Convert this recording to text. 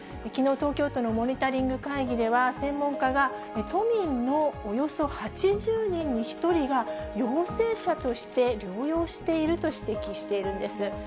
きのう、東京都のモニタリング会議では、専門家が、都民のおよそ８０人に１人が、陽性者として療養していると指摘しているんです。